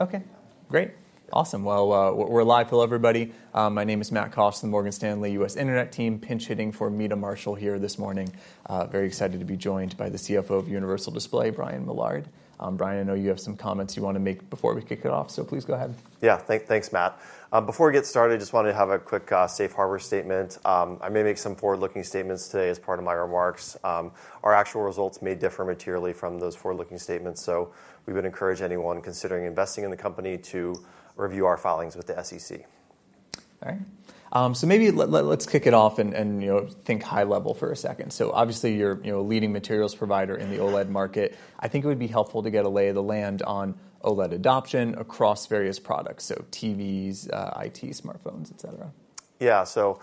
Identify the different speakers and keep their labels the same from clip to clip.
Speaker 1: Okay.
Speaker 2: Great. Awesome. Well, we're live. Hello, everybody. My name is Matt Cost, the Morgan Stanley U.S. Internet team, pinch hitting for Meta Marshall here this morning. Very excited to be joined by the CFO of Universal Display, Brian Millard. Brian, I know you have some comments you want to make before we kick it off, so please go ahead.
Speaker 3: Yeah, thanks, Matt. Before we get started, I just wanted to have a quick safe harbor statement. I may make some forward-looking statements today as part of my remarks. Our actual results may differ materially from those forward-looking statements, so we would encourage anyone considering investing in the company to review our filings with the SEC.
Speaker 2: All right. So maybe let's kick it off and think high level for a second. So obviously, you're a leading materials provider in the OLED market. I think it would be helpful to get a lay of the land on OLED adoption across various products, so TVs, IT, smartphones, et cetera.
Speaker 3: Yeah, so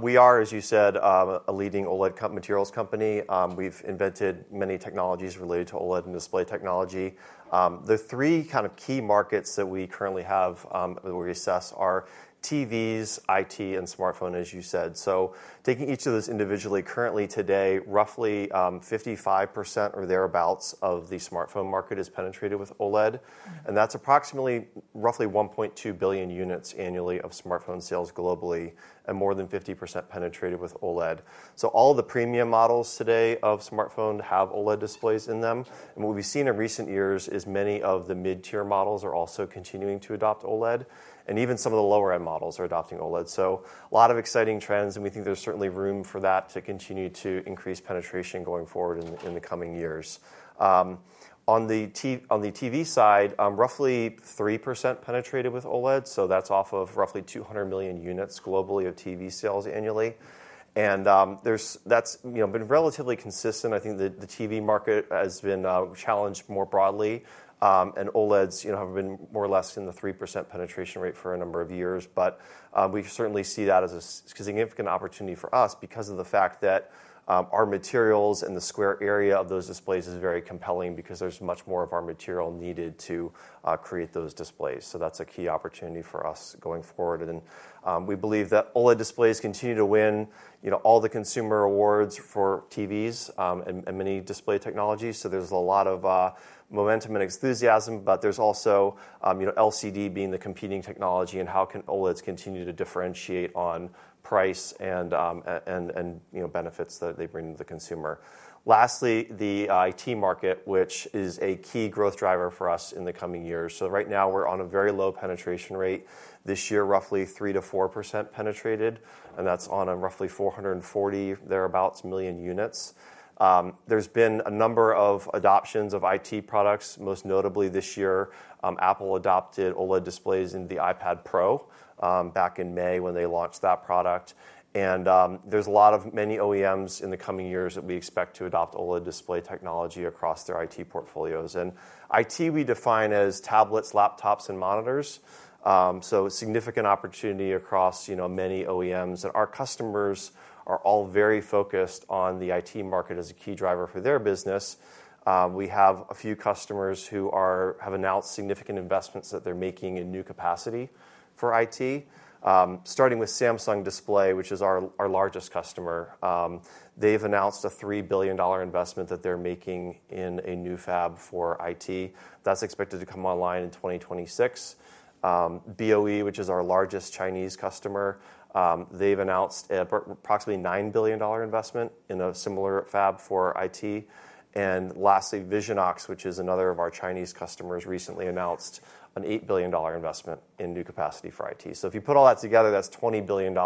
Speaker 3: we are, as you said, a leading OLED materials company. We've invented many technologies related to OLED and display technology. The three kind of key markets that we currently have that we assess are TVs, IT, and smartphone, as you said. So taking each of those individually, currently today, roughly 55% or thereabouts of the smartphone market is penetrated with OLED. That's approximately roughly 1.2 billion units annually of smartphone sales globally, and more than 50% penetrated with OLED. So all of the premium models today of smartphones have OLED displays in them and what we've seen in recent years is many of the mid-tier models are also continuing to adopt OLED. Even some of the lower-end models are adopting OLED. So a lot of exciting trends, and we think there's certainly room for that to continue to increase penetration going forward in the coming years. On the TV side, roughly 3% penetrated with OLED, so that's off of roughly 200 million units globally of TV sales annually, and that's been relatively consistent. I think the TV market has been challenged more broadly, and OLEDs have been more or less in the 3% penetration rate for a number of years, but we certainly see that as a significant opportunity for us because of the fact that our materials and the square area of those displays is very compelling because there's much more of our material needed to create those displays. So that's a key opportunity for us going forward, and we believe that OLED displays continue to win all the consumer awards for TVs and many display technologies, so there's a lot of momentum and enthusiasm. But there's also LCD being the competing technology, and how can OLEDs continue to differentiate on price and benefits that they bring to the consumer. Lastly, the IT market, which is a key growth driver for us in the coming years. So right now, we're on a very low penetration rate. This year, roughly 3%-4% penetrated, and that's on roughly 440 million units, thereabouts. There's been a number of adoptions of IT products. Most notably, this year, Apple adopted OLED displays in the iPad Pro back in May when they launched that product and there's a lot of many OEMs in the coming years that we expect to adopt OLED display technology across their IT portfolios. IT we define as tablets, laptops, and monitors. So significant opportunity across many OEMs. Our customers are all very focused on the IT market as a key driver for their business. We have a few customers who have announced significant investments that they're making in new capacity for IT, starting with Samsung Display, which is our largest customer. They've announced a $3 billion investment that they're making in a new fab for IT. That's expected to come online in 2026. BOE, which is our largest Chinese customer, they've announced an approximately $9 billion investment in a similar fab for IT. Lastly, Visionox, which is another of our Chinese customers, recently announced an $8 billion investment in new capacity for IT. If you put all that together, that's $20 billion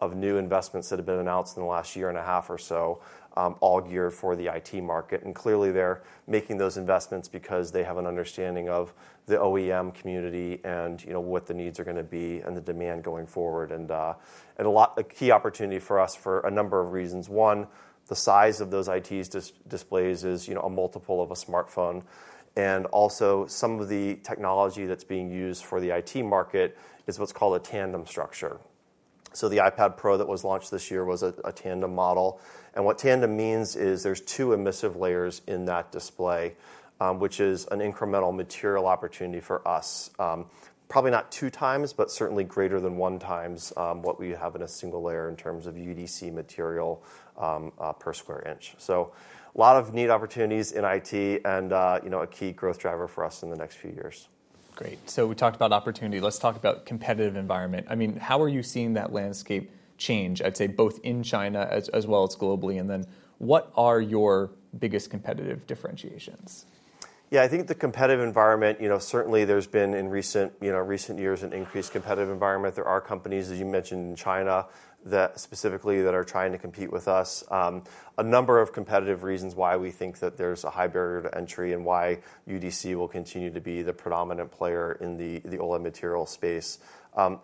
Speaker 3: of new investments that have been announced in the last year and a half or so, all geared for the IT market. Cearly, they're making those investments because they have an understanding of the OEM community and what the needs are going to be and the demand going forward and a key opportunity for us for a number of reasons. One, the size of those IT displays is a multiple of a smartphone. Also, some of the technology that's being used for the IT market is what's called a tandem structure. So the iPad Pro that was launched this year was a tandem model, and what tandem means is there's two emissive layers in that display, which is an incremental material opportunity for us. Probably not 2×, but certainly greater than 1× what we have in a single layer in terms of UDC material per square inch. So a lot of neat opportunities in IT and a key growth driver for us in the next few years.
Speaker 2: Great. So we talked about opportunity. Let's talk about competitive environment. I mean, how are you seeing that landscape change, I'd say, both in China as well as globally? Then what are your biggest competitive differentiations?
Speaker 3: Yeah, I think the competitive environment, certainly, there's been in recent years an increased competitive environment. There are companies, as you mentioned, in China specifically that are trying to compete with us. A number of competitive reasons why we think that there's a high barrier to entry and why UDC will continue to be the predominant player in the OLED material space.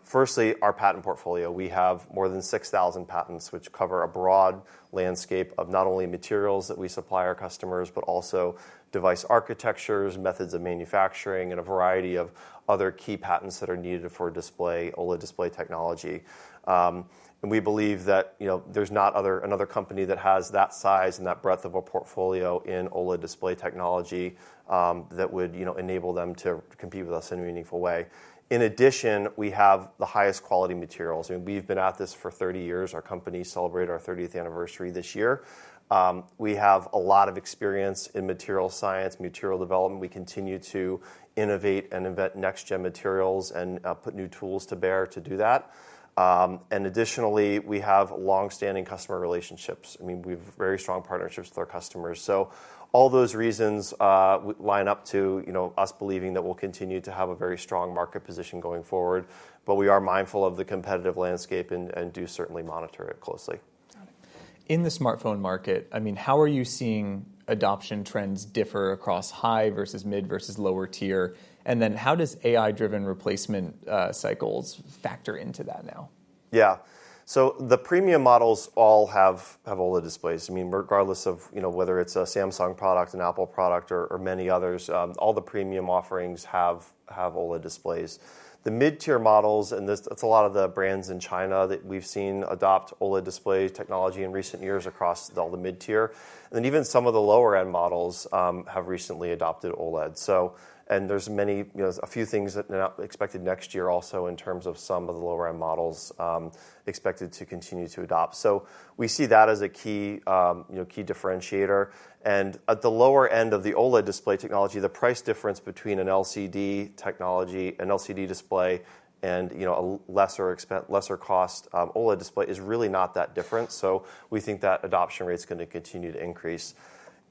Speaker 3: Firstly, our patent portfolio. We have more than 6,000 patents, which cover a broad landscape of not only materials that we supply our customers, but also device architectures, methods of manufacturing, and a variety of other key patents that are needed for display, OLED display technology, and we believe that there's not another company that has that size and that breadth of a portfolio in OLED display technology that would enable them to compete with us in a meaningful way. In addition, we have the highest quality materials. We've been at this for 30 years. Our company celebrated our 30th anniversary this year. We have a lot of experience in material science, material development. We continue to innovate and invent next-gen materials and put new tools to bear to do that. Additionally, we have longstanding customer relationships. I mean, we have very strong partnerships with our customers. All those reasons line up to us believing that we'll continue to have a very strong market position going forward. We are mindful of the competitive landscape and do certainly monitor it closely.
Speaker 2: In the smartphone market, I mean, how are you seeing adoption trends differ across high versus mid versus lower tier, and then how does AI-driven replacement cycles factor into that now?
Speaker 3: Yeah, so the premium models all have OLED displays. I mean, regardless of whether it's a Samsung product, an Apple product, or many others, all the premium offerings have OLED displays. The mid-tier models, and that's a lot of the brands in China that we've seen adopt OLED display technology in recent years across all the mid-tier. Then even some of the lower-end models have recently adopted OLED and there's a few things that are expected next year also in terms of some of the lower-end models expected to continue to adopt. So we see that as a key differentiator. At the lower end of the OLED display technology, the price difference between an LCD technology, an LCD display, and a lesser-cost OLED display is really not that different. So we think that adoption rate's going to continue to increase.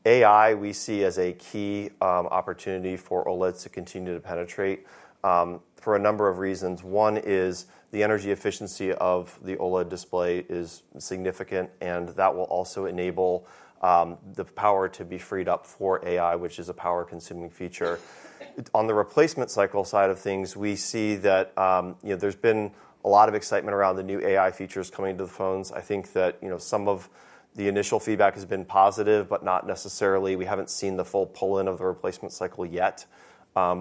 Speaker 3: AI we see as a key opportunity for OLEDs to continue to penetrate for a number of reasons. One is the energy efficiency of the OLED display is significant, and that will also enable the power to be freed up for AI, which is a power-consuming feature. On the replacement cycle side of things, we see that there's been a lot of excitement around the new AI features coming to the phones. I think that some of the initial feedback has been positive, but not necessarily. We haven't seen the full pull-in of the replacement cycle yet.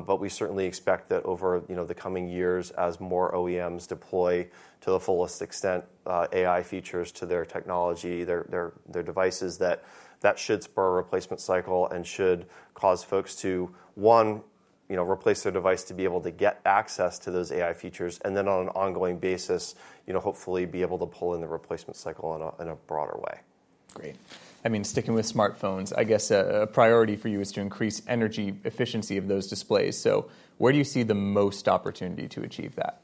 Speaker 3: We certainly expect that over the coming years, as more OEMs deploy to the fullest extent AI features to their technology, their devices, that should spur a replacement cycle and should cause folks to, one, replace their device to be able to get access to those AI features. Then on an ongoing basis, hopefully be able to pull in the replacement cycle in a broader way.
Speaker 2: Great. I mean, sticking with smartphones, I guess a priority for you is to increase energy efficiency of those displays, so where do you see the most opportunity to achieve that?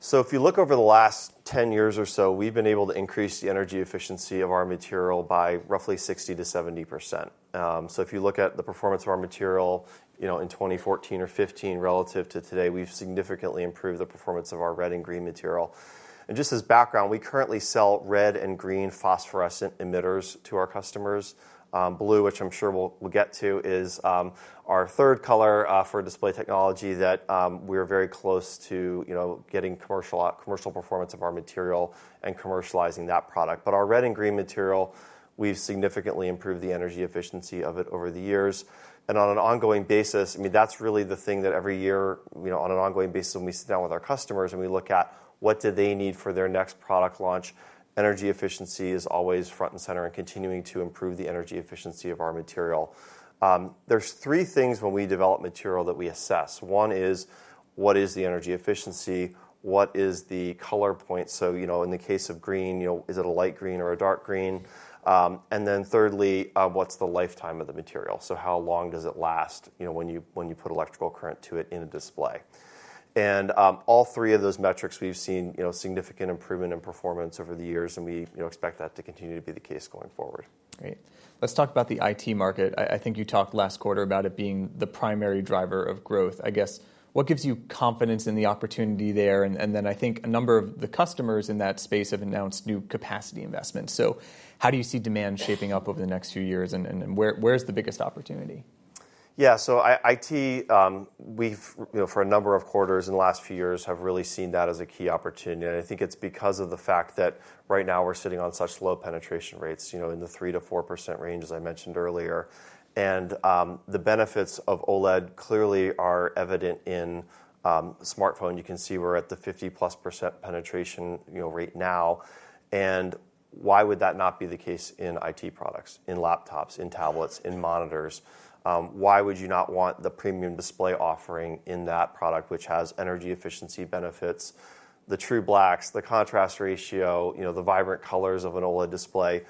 Speaker 3: So if you look over the last 10 years or so, we've been able to increase the energy efficiency of our material by roughly 60%-70%. So if you look at the performance of our material in 2014 or 2015 relative to today, we've significantly improved the performance of our red and green material. Just as background, we currently sell red and green phosphorescent emitters to our customers. Blue, which I'm sure we'll get to, is our third color for display technology that we are very close to getting commercial performance of our material and commercializing that product. But our red and green material, we've significantly improved the energy efficiency of it over the years. On an ongoing basis, I mean, that's really the thing that every year on an ongoing basis, when we sit down with our customers and we look at what do they need for their next product launch, energy efficiency is always front and center in continuing to improve the energy efficiency of our material. There's three things when we develop material that we assess. One is, what is the energy efficiency? What is the color point? So in the case of green, is it a light green or a dark green? Then thirdly, what's the lifetime of the material? So how long does it last when you put electrical current to it in a display? All three of those metrics, we've seen significant improvement in performance over the years and we expect that to continue to be the case going forward.
Speaker 2: Great. Let's talk about the IT market. I think you talked last quarter about it being the primary driver of growth. I guess what gives you confidence in the opportunity there? Then I think a number of the customers in that space have announced new capacity investments. So how do you see demand shaping up over the next few years, and where's the biggest opportunity?
Speaker 3: Yeah, so IT, we've for a number of quarters in the last few years have really seen that as a key opportunity. I think it's because of the fact that right now we're sitting on such low penetration rates in the 3%-4% range, as I mentioned earlier. The benefits of OLED clearly are evident in smartphone. You can see we're at the 50%+ penetration rate now, and why would that not be the case in IT products, in laptops, in tablets, in monitors? Why would you not want the premium display offering in that product, which has energy efficiency benefits, the true blacks, the contrast ratio, the vibrant colors of an OLED display?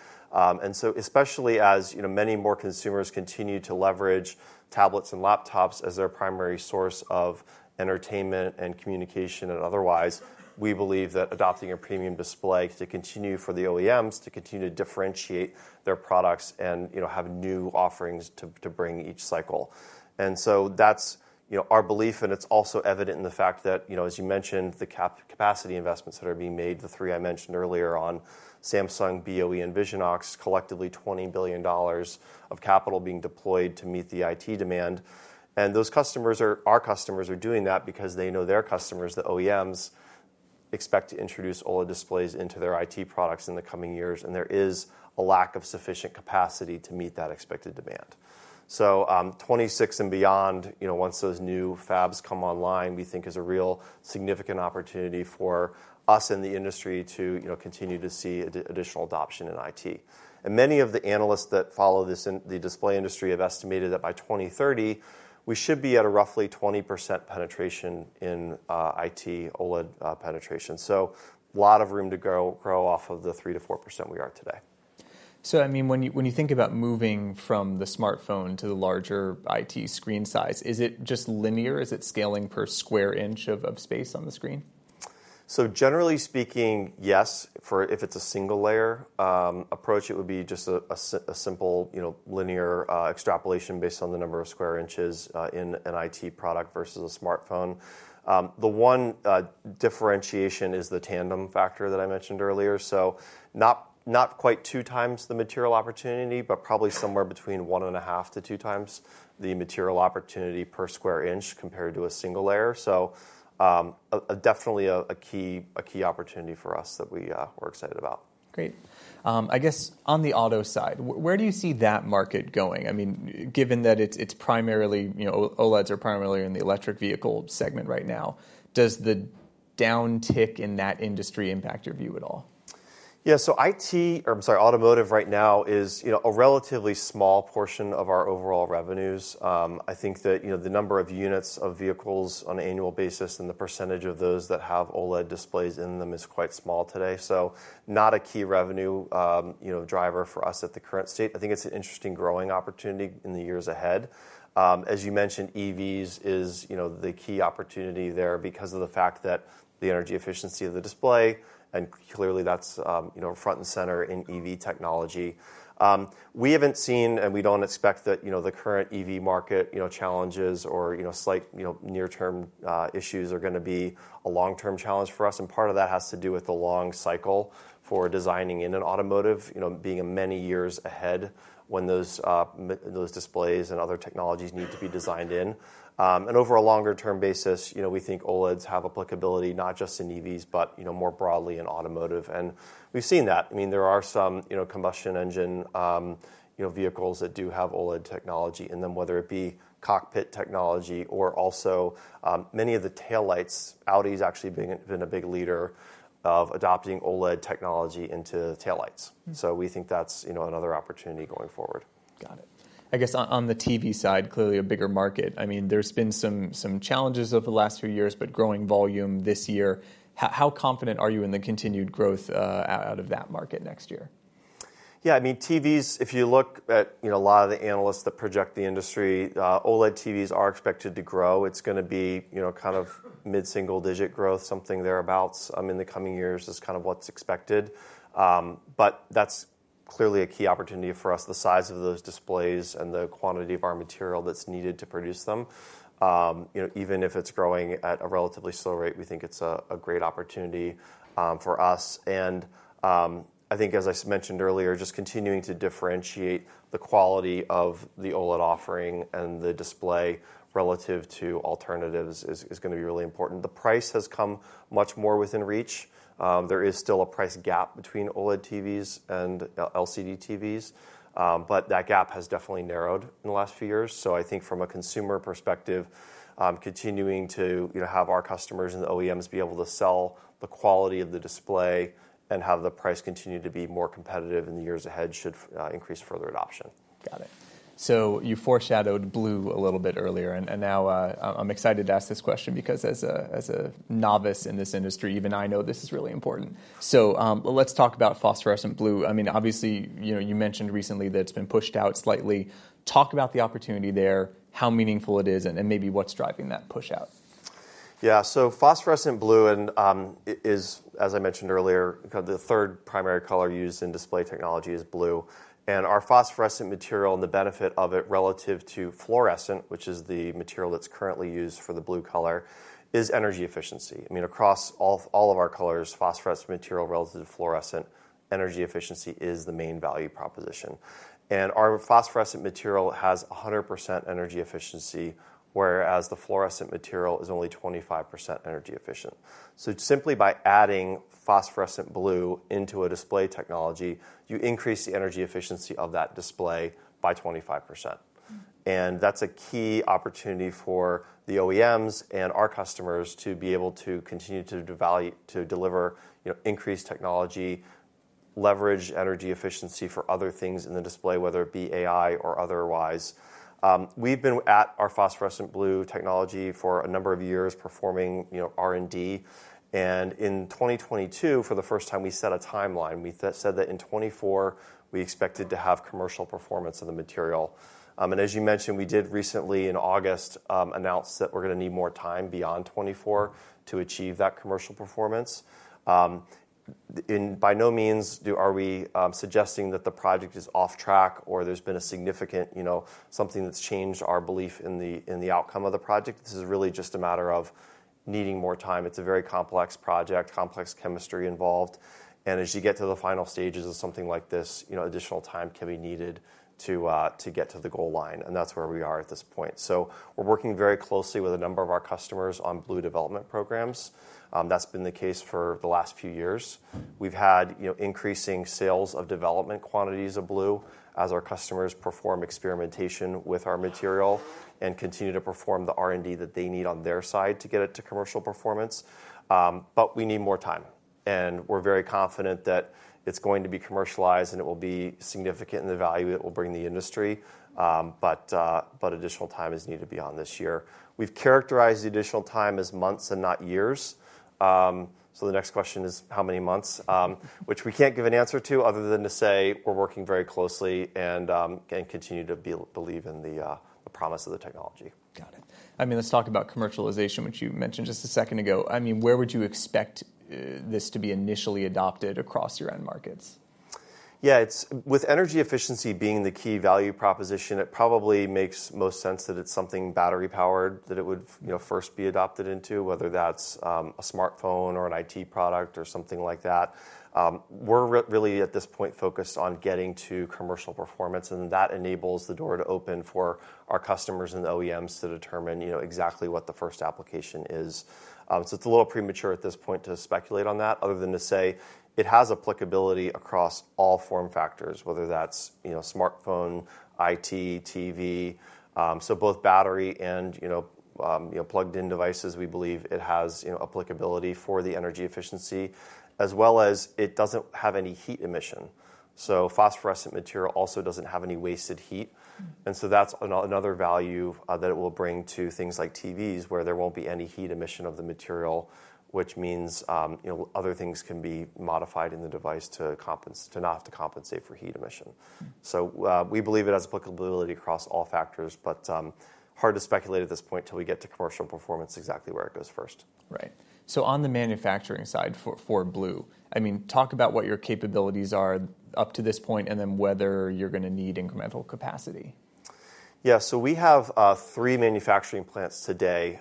Speaker 3: So especially as many more consumers continue to leverage tablets and laptops as their primary source of entertainment and communication and otherwise, we believe that adopting a premium display to continue for the OEMs to continue to differentiate their products and have new offerings to bring each cycle. So that's our belief. It's also evident in the fact that, as you mentioned, the capacity investments that are being made, the three I mentioned earlier on, Samsung, BOE, and Visionox, collectively $20 billion of capital being deployed to meet the IT demand. Those customers, our customers, are doing that because they know their customers, the OEMs, expect to introduce OLED displays into their IT products in the coming years and there is a lack of sufficient capacity to meet that expected demand. So '26 and beyond, once those new fabs come online, we think is a real significant opportunity for us in the industry to continue to see additional adoption in IT. Many of the analysts that follow this in the display industry have estimated that by 2030, we should be at a roughly 20% penetration in IT, OLED penetration. So a lot of room to grow off of the 3%-4% we are today.
Speaker 2: So I mean, when you think about moving from the smartphone to the larger IT screen size, is it just linear? Is it scaling per square inch of space on the screen?
Speaker 3: Generally speaking, yes. If it's a single-layer approach, it would be just a simple linear extrapolation based on the number of square inches in an IT product versus a smartphone. The one differentiation is the tandem factor that I mentioned earlier. Not quite 2× the material opportunity, but probably somewhere between 1.5× and 2× the material opportunity per square inch compared to a single layer. Definitely a key opportunity for us that we're excited about.
Speaker 2: Great. I guess on the auto side, where do you see that market going? I mean, given that OLEDs are primarily in the electric vehicle segment right now, does the downtick in that industry impact your view at all?
Speaker 3: Yeah, so IT, or I'm sorry, automotive right now is a relatively small portion of our overall revenues. I think that the number of units of vehicles on an annual basis and the percentage of those that have OLED displays in them is quite small today. So not a key revenue driver for us at the current state. I think it's an interesting growing opportunity in the years ahead. As you mentioned, EVs is the key opportunity there because of the fact that the energy efficiency of the display, and clearly, that's front and center in EV technology. We haven't seen, and we don't expect that the current EV market challenges or slight near-term issues are going to be a long-term challenge for us. Part of that has to do with the long cycle for designing in an automotive, being many years ahead when those displays and other technologies need to be designed in. Over a longer-term basis, we think OLEDs have applicability not just in EVs, but more broadly in automotive. We've seen that. I mean, there are some combustion engine vehicles that do have OLED technology in them, whether it be cockpit technology or also many of the taillights. Audi's actually been a big leader of adopting OLED technology into taillights. We think that's another opportunity going forward.
Speaker 2: Got it. I guess on the TV side, clearly a bigger market. I mean, there's been some challenges over the last few years, but growing volume this year. How confident are you in the continued growth out of that market next year?
Speaker 3: Yeah, I mean, TVs, if you look at a lot of the analysts that project the industry, OLED TVs are expected to grow. It's going to be kind of mid-single-digit growth, something thereabouts in the coming years is kind of what's expected, but that's clearly a key opportunity for us, the size of those displays and the quantity of our material that's needed to produce them. Even if it's growing at a relatively slow rate, we think it's a great opportunity for us. I think, as I mentioned earlier, just continuing to differentiate the quality of the OLED offering and the display relative to alternatives is going to be really important. The price has come much more within reach. There is still a price gap between OLED TVs and LCD TVs. But that gap has definitely narrowed in the last few years. So I think from a consumer perspective, continuing to have our customers and the OEMs be able to sell the quality of the display and have the price continue to be more competitive in the years ahead should increase further adoption.
Speaker 2: Got it. So you foreshadowed blue a little bit earlier and now I'm excited to ask this question because as a novice in this industry, even I know this is really important. So let's talk about phosphorescent blue. I mean, obviously, you mentioned recently that it's been pushed out slightly. Talk about the opportunity there, how meaningful it is, and maybe what's driving that push out.
Speaker 3: Yeah, so phosphorescent blue is, as I mentioned earlier, the third primary color used in display technology is blue and our phosphorescent material and the benefit of it relative to fluorescent, which is the material that's currently used for the blue color, is energy efficiency. I mean, across all of our colors, phosphorescent material relative to fluorescent energy efficiency is the main value proposition. Our phosphorescent material has 100% energy efficiency, whereas the fluorescent material is only 25% energy efficient. So simply by adding phosphorescent blue into a display technology, you increase the energy efficiency of that display by 25%. That's a key opportunity for the OEMs and our customers to be able to continue to deliver increased technology, leverage energy efficiency for other things in the display, whether it be AI or otherwise. We've been at our phosphorescent blue technology for a number of years performing R&D. In 2022, for the first time, we set a timeline. We said that in 2024, we expected to have commercial performance of the material. As you mentioned, we did recently in August announce that we're going to need more time beyond 2024 to achieve that commercial performance. By no means are we suggesting that the project is off track or there's been a significant something that's changed our belief in the outcome of the project. This is really just a matter of needing more time. It's a very complex project, complex chemistry involved and as you get to the final stages of something like this, additional time can be needed to get to the goal line and that's where we are at this point. So we're working very closely with a number of our customers on blue development programs. That's been the case for the last few years. We've had increasing sales of development quantities of blue as our customers perform experimentation with our material and continue to perform the R&D that they need on their side to get it to commercial performance but we need more time. We're very confident that it's going to be commercialized and it will be significant in the value it will bring the industry. But additional time is needed beyond this year. We've characterized the additional time as months and not years. So the next question is how many months, which we can't give an answer to other than to say we're working very closely and continue to believe in the promise of the technology.
Speaker 2: Got it. I mean, let's talk about commercialization, which you mentioned just a second ago. I mean, where would you expect this to be initially adopted across your end markets?
Speaker 3: Yeah, with energy efficiency being the key value proposition, it probably makes most sense that it's something battery-powered that it would first be adopted into, whether that's a smartphone or an IT product or something like that. We're really at this point focused on getting to commercial performance, and that enables the door to open for our customers and the OEMs to determine exactly what the first application is. So it's a little premature at this point to speculate on that other than to say it has applicability across all form factors, whether that's smartphone, IT, TV, so both battery and plugged-in devices, we believe it has applicability for the energy efficiency, as well as it doesn't have any heat emission. So phosphorescent material also doesn't have any wasted heat. So that's another value that it will bring to things like TVs, where there won't be any heat emission of the material, which means other things can be modified in the device to not have to compensate for heat emission. So we believe it has applicability across all factors, but hard to speculate at this point until we get to commercial performance exactly where it goes first.
Speaker 2: Right. So on the manufacturing side for blue, I mean, talk about what your capabilities are up to this point and then whether you're going to need incremental capacity.
Speaker 3: Yeah, so we have three manufacturing plants today,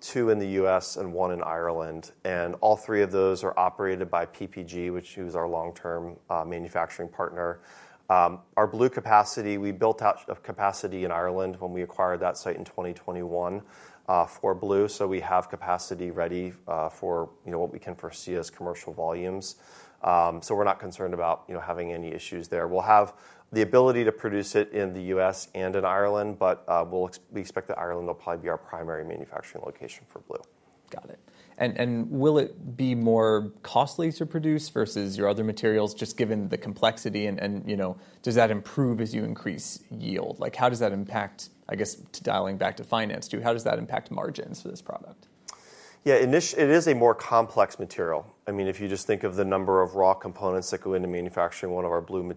Speaker 3: two in the U.S. and one in Ireland, and all three of those are operated by PPG, which is our long-term manufacturing partner. Our blue capacity, we built out capacity in Ireland when we acquired that site in 2021 for blue. So we have capacity ready for what we can foresee as commercial volumes. So we're not concerned about having any issues there. We'll have the ability to produce it in the U.S. and in Ireland, but we expect that Ireland will probably be our primary manufacturing location for blue.
Speaker 2: Got it. Will it be more costly to produce versus your other materials, just given the complexity and does that improve as you increase yield? How does that impact, I guess, dialing back to finance? How does that impact margins for this product?
Speaker 3: Yeah, it is a more complex material. I mean, if you just think of the number of raw components that go into manufacturing one of our blue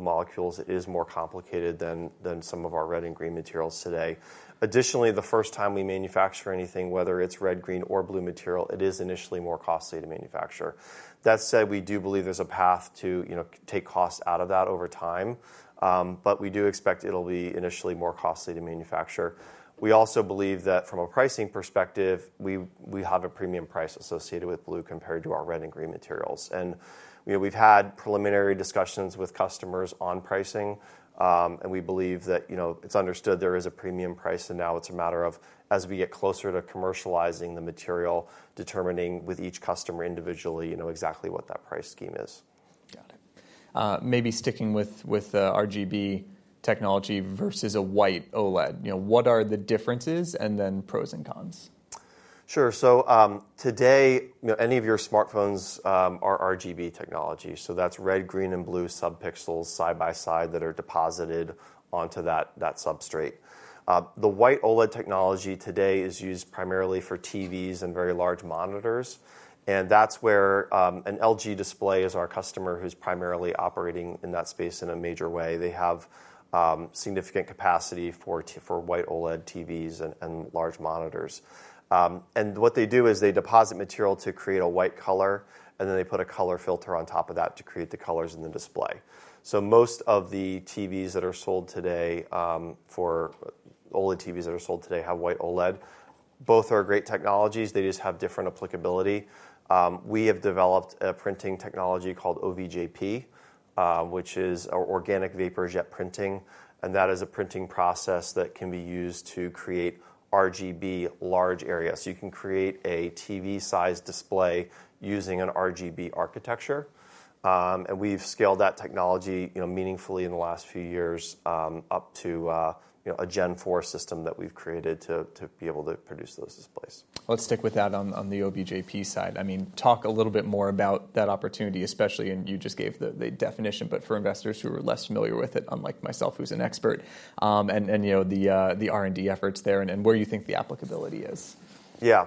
Speaker 3: molecules, it is more complicated than some of our red and green materials today. Additionally, the first time we manufacture anything, whether it's red, green, or blue material, it is initially more costly to manufacture. That said, we do believe there's a path to take costs out of that over time, but we do expect it'll be initially more costly to manufacture. We also believe that from a pricing perspective, we have a premium price associated with blue compared to our red and green materials. We've had preliminary discussions with customers on pricing and we believe that it's understood there is a premium price. Now it's a matter of, as we get closer to commercializing the material, determining with each customer individually exactly what that price scheme is.
Speaker 2: Got it. Maybe sticking with RGB technology versus a white OLED, what are the differences and then pros and cons?
Speaker 3: Sure. So today, any of your smartphones are RGB technology. So that's red, green, and blue subpixels side by side that are deposited onto that substrate. The white OLED technology today is used primarily for TVs and very large monitors, and that's where an LG Display is our customer who's primarily operating in that space in a major way. They have significant capacity for white OLED TVs and large monitors, and what they do is they deposit material to create a white color, and then they put a color filter on top of that to create the colors in the display, so most of the TVs that are sold today, for OLED TVs that are sold today, have white OLED. Both are great technologies, they just have different applicability. We have developed a printing technology called OVJP, which is Organic Vapor Jet Printing and that is a printing process that can be used to create RGB large areas. So you can create a TV-sized display using an RGB architecture. We've scaled that technology meaningfully in the last few years up to a Gen 4 system that we've created to be able to produce those displays.
Speaker 2: Let's stick with that on the OVJP side. I mean, talk a little bit more about that opportunity, especially, and you just gave the definition, but for investors who are less familiar with it, unlike myself, who's an expert, and the R&D efforts there and where you think the applicability is.
Speaker 3: Yeah,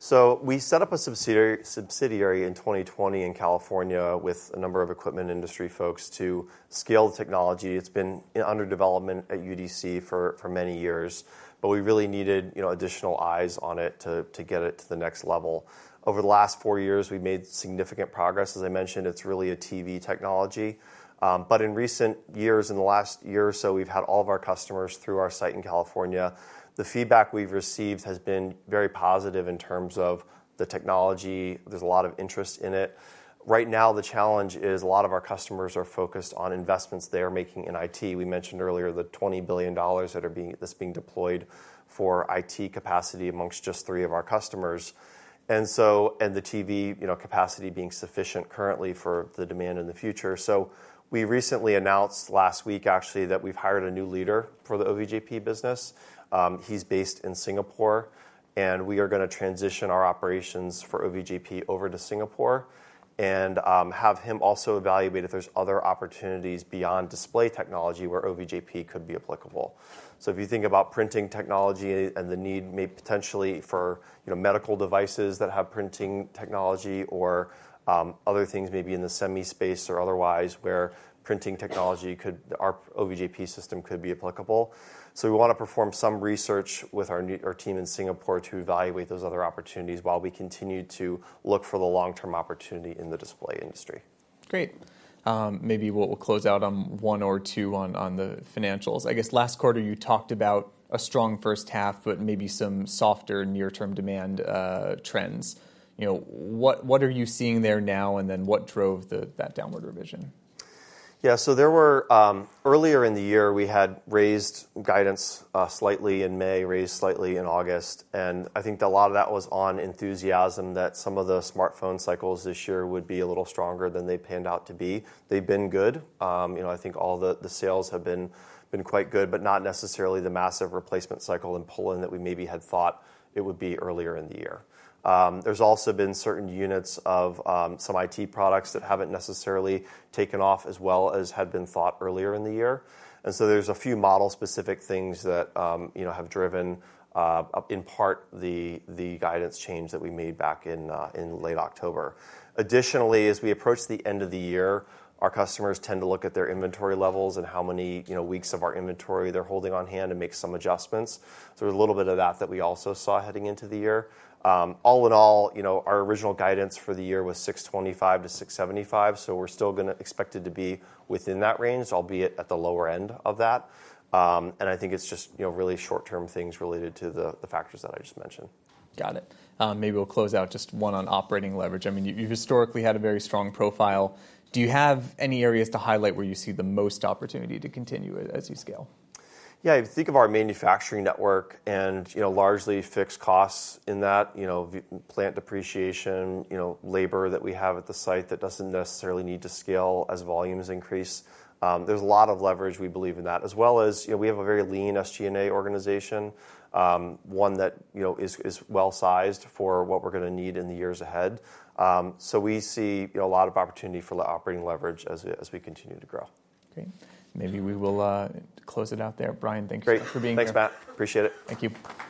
Speaker 3: so we set up a subsidiary in 2020 in California with a number of equipment industry folks to scale the technology. It's been under development at UDC for many years, but we really needed additional eyes on it to get it to the next level. Over the last four years, we've made significant progress. As I mentioned, it's really a TV technology. But in recent years, in the last year or so, we've had all of our customers through our site in California. The feedback we've received has been very positive in terms of the technology. There's a lot of interest in it. Right now, the challenge is a lot of our customers are focused on investments they are making in IT. We mentioned earlier the $20 billion that's being deployed for IT capacity among just three of our customers and the TV capacity being sufficient currently for the demand in the future, so we recently announced last week, actually, that we've hired a new leader for the OVJP business. He's based in Singapore, and we are going to transition our operations for OVJP over to Singapore and have him also evaluate if there's other opportunities beyond display technology where OVJP could be applicable. So if you think about printing technology and the need maybe potentially for medical devices that have printing technology or other things maybe in the semi space or otherwise where printing technology could, our OVJP system could be applicable. So we want to perform some research with our team in Singapore to evaluate those other opportunities while we continue to look for the long-term opportunity in the display industry.
Speaker 2: Great. Maybe we'll close out on one or two on the financials. I guess last quarter, you talked about a strong first half, but maybe some softer near-term demand trends. What are you seeing there now, and then what drove that downward revision?
Speaker 3: Yeah, so earlier in the year, we had raised guidance slightly in May, raised slightly in August. I think a lot of that was on enthusiasm that some of the smartphone cycles this year would be a little stronger than they panned out to be. They've been good. I think all the sales have been quite good, but not necessarily the massive replacement cycle we planned that we maybe had thought it would be earlier in the year. There's also been certain units of some IT products that haven't necessarily taken off as well as had been thought earlier in the year. So there's a few model-specific things that have driven in part the guidance change that we made back in late October. Additionally, as we approach the end of the year, our customers tend to look at their inventory levels and how many weeks of our inventory they're holding on hand and make some adjustments, so there's a little bit of that that we also saw heading into the year. All in all, our original guidance for the year was 625-675, so we're still going to expect it to be within that range, albeit at the lower end of that, and I think it's just really short-term things related to the factors that I just mentioned.
Speaker 2: Got it. Maybe we'll close out just one on operating leverage. I mean, you've historically had a very strong profile. Do you have any areas to highlight where you see the most opportunity to continue it as you scale?
Speaker 3: Yeah, if you think of our manufacturing network and largely fixed costs in that, plant depreciation, labor, that we have at the site that doesn't necessarily need to scale as volumes increase. There's a lot of leverage, we believe, in that, as well as we have a very lean SG&A organization, one that is well-sized for what we're going to need in the years ahead. So we see a lot of opportunity for the operating leverage as we continue to grow.
Speaker 2: Great. Maybe we will close it out there. Brian, thanks for being here.
Speaker 3: Thanks, Matt. Appreciate it.
Speaker 2: Thank you.